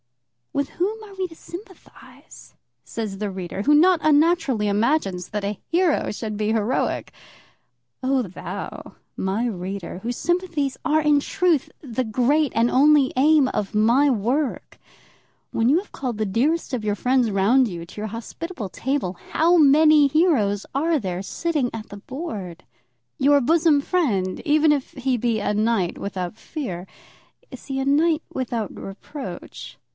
With whom are we to sympathise? says the reader, who not unnaturally imagines that a hero should be heroic. Oh, thou, my reader, whose sympathies are in truth the great and only aim of my work, when you have called the dearest of your friends round you to your hospitable table, how many heroes are there sitting at the board? Your bosom friend, even if he be a knight without fear, is he a knight without reproach?